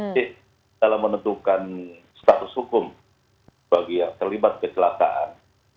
jadi dalam menentukan status hukum bagi yang terlibat kecelakaan